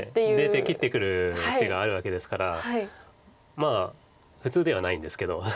出て切ってくる手があるわけですからまあ普通ではないんですけど。